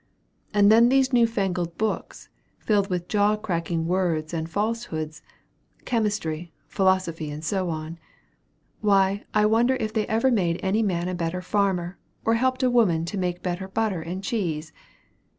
"And then these new fangled books, filled with jaw cracking words and falsehoods, chemistry, philosophy, and so on why, I wonder if they ever made any man a better farmer, or helped a woman to make better butter and cheese?